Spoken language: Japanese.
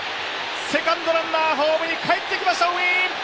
セカンドランナー、ホームに帰ってきました。